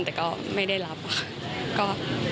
แต่ก็ไม่ได้รับค่ะ